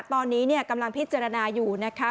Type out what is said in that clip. ตอนนี้กำลังพิจารณาอยู่นะคะ